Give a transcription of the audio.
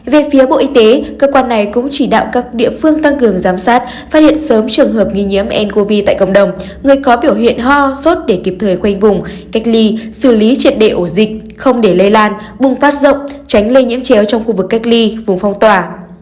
về phía bộ y tế cơ quan này cũng chỉ đạo các địa phương tăng cường giám sát phát hiện sớm trường hợp nghi nhiễm ncov tại cộng đồng người có biểu hiện ho sốt để kịp thời khoanh vùng cách ly xử lý triệt đề ổ dịch không để lây lan bùng phát rộng tránh lây nhiễm chéo trong khu vực cách ly vùng phong tỏa